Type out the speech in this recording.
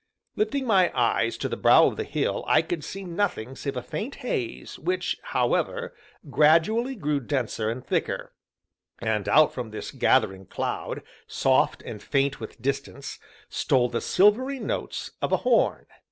Lifting my eyes to the brow of the hill, I could see nothing save a faint haze, which, however, gradually grew denser and thicker; and out from this gathering cloud, soft, and faint with distance, stole the silvery notes of a horn.